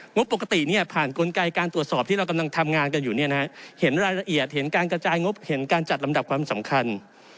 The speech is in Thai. งบปกติผ่านกลไกการตรวจสอบที่เรากำลังทำงานกันอยู่เห็นรายละเอียดเห็นการกระจายงบเห็นการจัดลำดับความสำคัญ